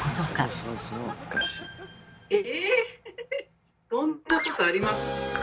そんなことあります？